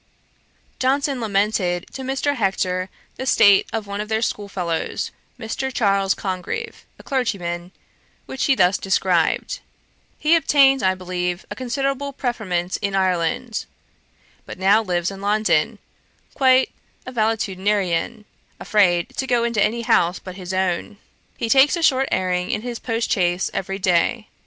Johnson lamented to Mr. Hector the state of one of their school fellows, Mr. Charles Congreve, a clergyman, which he thus described: 'He obtained, I believe, considerable preferment in Ireland, but now lives in London, quite as a valetudinarian, afraid to go into any house but his own. He takes a short airing in his post chaise every day.